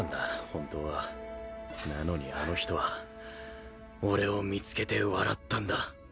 本当はなのにあの人は俺を見つけて笑ったんだ